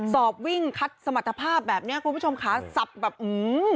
สอบวิ่งคัดสมรรถภาพแบบเนี้ยคุณผู้ชมขาสับแบบอื้อ